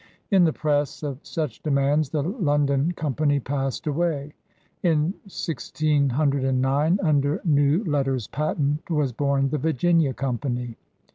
In the press of such demands the London Company passed away. In 1609 under ne^w letters patent was bom the Virginia Company.